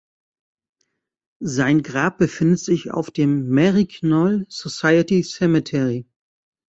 Sein Grab befindet sich auf dem "Maryknoll Society Cemetery".